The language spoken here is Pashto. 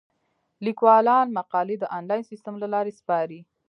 لیکوالان مقالې د انلاین سیستم له لارې سپاري.